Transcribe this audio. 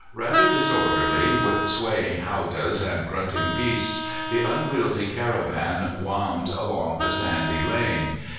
"Rather disorderly, with swaying howdahs and grunting beasts, the unwieldy caravan wound along the sandy lane.